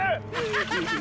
ハハハハ！